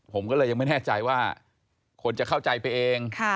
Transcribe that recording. ผมก็เลยยังไม่แน่ใจว่าคนจะเข้าใจไปเอง